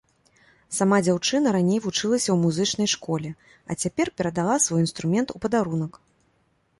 Сама дзяўчына раней вучылася ў музычнай школе, а цяпер перадала свой інструмент у падарунак.